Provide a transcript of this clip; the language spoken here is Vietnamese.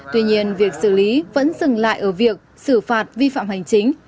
tuy nhiên việc xử lý vẫn dừng lại ở việc xử phạt vi phạm hành chính